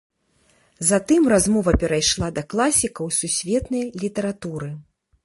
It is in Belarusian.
Затым размова перайшла да класікаў сусветнай літаратуры.